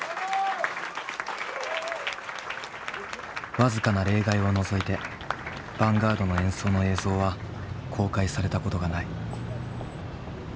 僅かな例外を除いてヴァンガードの演奏の映像は公開されたことがない。